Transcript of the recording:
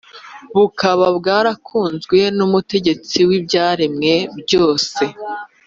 bukaba bwarakunzwe n’Umutegetsi w’ibyaremwe byose.